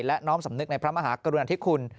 และน้อมสำนึกในพระมหากรุณาธิคุณ